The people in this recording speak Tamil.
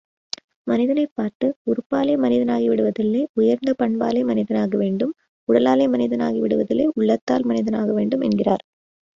மனிதனைப் பார்த்து, உறுப்பாலே மனிதனாகி விடுவதில்லை... உயர்ந்த பண்பாலே மனிதனாக வேண்டும் உடலாலே மனிதனாகிவிடுவதில்லை உள்ளத்தால் மனிதனாகவேண்டும் என்கிறார்.